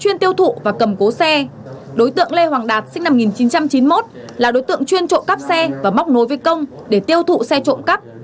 đối tượng và cầm cố xe đối tượng lê hoàng đạt sinh năm một nghìn chín trăm chín mươi một là đối tượng chuyên trộm cắp xe và móc nối với công để tiêu thụ xe trộm cắp